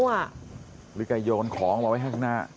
หรือแกโยนของมาไว้ข้างหน้า